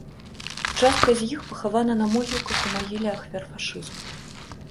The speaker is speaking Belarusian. Частка з іх пахавана на могілках ў магіле ахвяр фашызму.